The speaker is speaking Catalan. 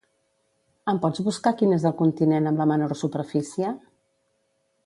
Em pots buscar quin és el continent amb la menor superfície?